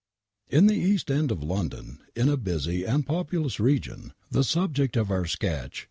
In the East End of London, in a busy and populous region, the subject of our fiketcl.